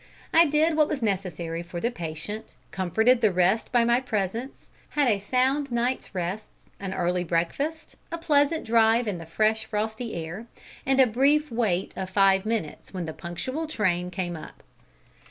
I did what was necessary for the patient, comforted the rest by my presence, had a sound night's rest, an early breakfast, a pleasant drive in the fresh frosty air, and a brief wait of five minutes, when the punctual train came up.